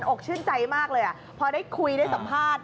อกชื่นใจมากเลยพอได้คุยได้สัมภาษณ์